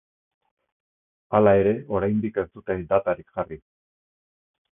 Hala ere, oraindik ez dute datarik jarri.